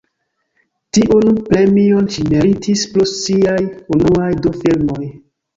Tiun premion ŝi meritis pro siaj unuaj du filmoj.